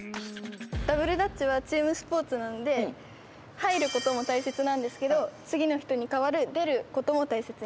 ダブルダッチはチームスポーツなので入ることも大切なんですけど次の人に代わる出ることも大切になります。